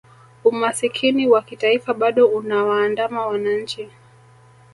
umasikini wa kitaifa bado unawaandama wananchi